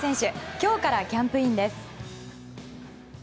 今日からキャンプインです。